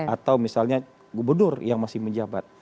atau misalnya gubernur yang masih menjabat